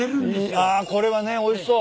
あこれはねおいしそう。